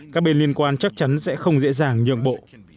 các bên liên quan chắc chắn sẽ không dễ dàng nhượng bộ